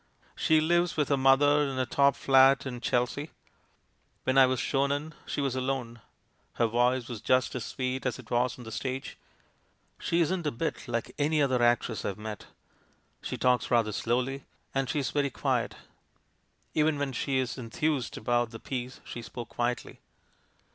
"She lives with her mother in a top flat in Chel sea. When I was shown in, she was alone. Her voice was just as sweet as it was on the stage. She isn't a bit like anv other actress I've met; she talks rather slowly, and she's very quiet. Even when she enthused about the piece she spoke quietly.